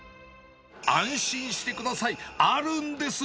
安心してください、あるんです。